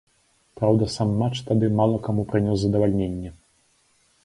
Праўда, сам матч тады мала каму прынёс задавальненне.